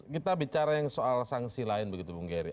kita bicara yang soal sanksi lion begitu bung gery